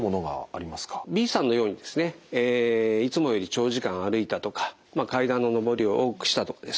Ｂさんのようにですねいつもより長時間歩いたとか階段の上り下りを多くしたとかですね